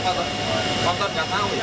kalau kita nanti tetap orang indonesia